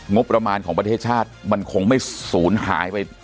งบประมาณของประเทศชาติมันคงไม่สูญหายไป